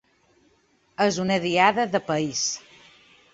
És una diada de país.